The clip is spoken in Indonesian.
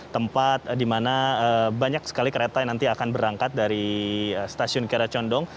tempat di mana banyak sekali kereta yang nanti akan berangkat dari stasiun kiara condong